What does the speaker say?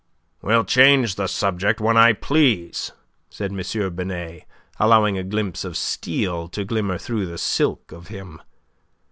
"We'll change the subject when I please," said M. Binet, allowing a glimpse of steel to glimmer through the silk of him.